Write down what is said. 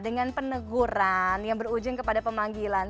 dengan peneguran yang berujung kepada pemanggilan